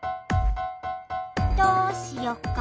どうしよっか？